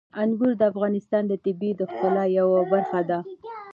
انګور د افغانستان د طبیعت د ښکلا یوه برخه ده.